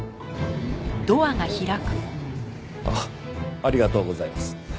ありがとうございます。